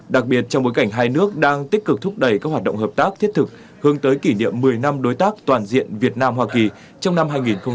đặc biệt trong bối cảnh hai nước đang tích cực thúc đẩy các hoạt động hợp tác thiết thực hướng tới kỷ niệm một mươi năm đối tác toàn diện việt nam hoa kỳ trong năm hai nghìn hai mươi